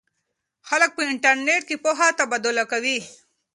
خلک په انټرنیټ کې پوهه تبادله کوي.